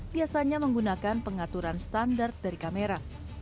biasanya menggunakan pengaturan standar dari kamera